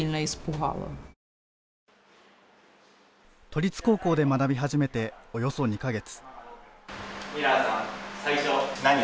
都立高校で学び始めておよそ２か月。